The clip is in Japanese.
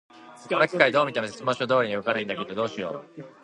この機械、どう見ても説明書通りに動かないんだけど、どうしよう。